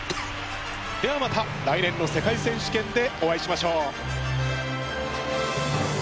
ではまた来年の世界選手権でお会いしましょう！